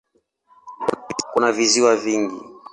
Kuna visiwa vingi.